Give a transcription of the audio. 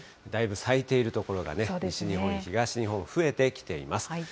だいぶ咲いている所が、西日本、東日本、増えてきています。